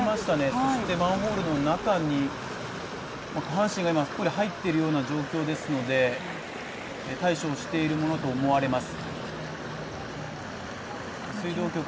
そしてマンホールの中に、下半身がすっぽり入っているような状況ですので対処をしているものと思われます。